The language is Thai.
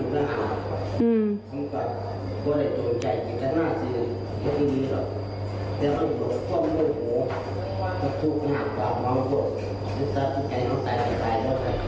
แล้วจุดไฟเผาจะฆ่าตัวตายตามแต่มีชาวบ้านมาห้ามทัน